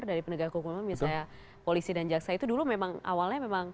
dari penegak hukum misalnya polisi dan jaksa itu dulu memang awalnya memang